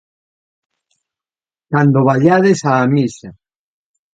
Cando vaiades á misa